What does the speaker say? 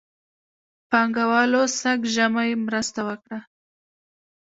پانګهوالو سږ ژمی مرسته وکړه.